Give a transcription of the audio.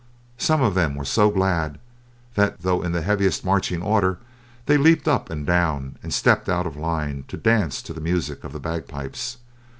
Some of them were so glad that, though in the heaviest marching order, they leaped up and down and stepped out of line to dance to the music of the bagpipes.